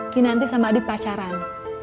kinanti sama adit pacaran